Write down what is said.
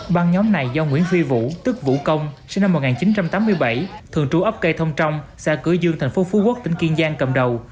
băng nhóm này do nguyễn phi vũ tức vũ công sinh năm một nghìn chín trăm tám mươi bảy thường trú ấp cây thông trong xã cửa dương tp phú quốc tỉnh kiên giang cầm đầu